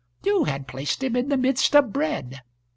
You had placed him in the midst of bread."